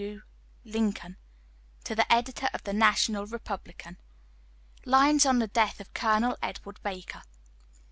W. LINCOLN. "To the Editor of the National Republican." LINES ON THE DEATH OF COLONEL EDWARD BAKER.